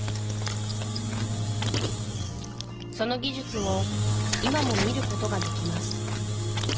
その技術を今も見ることができます